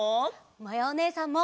まやおねえさんも！